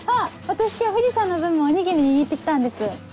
私今日藤さんの分もおにぎり握って来たんです。